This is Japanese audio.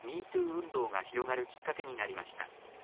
運動が広がるきっかけになりました。